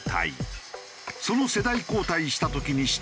その世代交代した時に知った現状が。